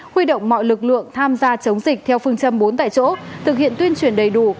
huy động mọi lực lượng tham gia chống dịch theo phương châm bốn tại chỗ thực hiện tuyên truyền đầy đủ